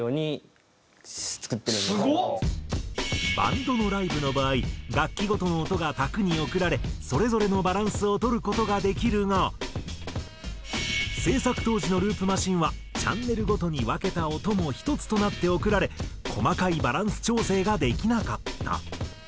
バンドのライブの場合楽器ごとの音が卓に送られそれぞれのバランスを取る事ができるが制作当時のループマシンはチャンネルごとに分けた音も１つとなって送られ細かいバランス調整ができなかった。